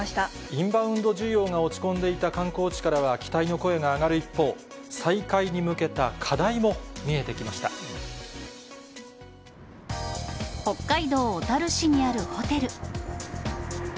インバウンド需要が落ち込んでいた観光地からは期待の声が上がる一方、再開に向けた課題も見北海道小樽市にあるホテル。